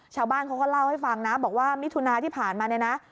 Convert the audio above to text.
ชาวบ้านเขาก็เล่าให้ฟังนะบอกว่ามิถุนาที่ผ่านมาเนี่ยนะ